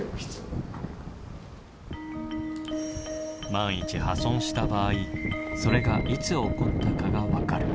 万一破損した場合それがいつ起こったかが分かる。